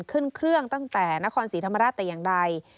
ขึ้นเครื่องตั้งแต่นครศรีธรรมราชแต่อย่างใด